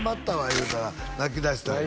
言うたら泣きだしたんよ